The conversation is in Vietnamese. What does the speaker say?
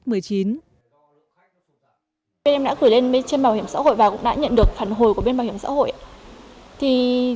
em đã gửi lên bên trên bảo hiểm xã hội và cũng đã nhận được phản hồi của bên bảo hiểm xã hội